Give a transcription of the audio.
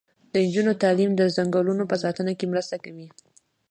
د نجونو تعلیم د ځنګلونو په ساتنه کې مرسته کوي.